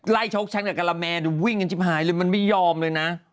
ชกฉันกับกะละแมนวิ่งกันจิ๊บหายเลยมันไม่ยอมเลยนะ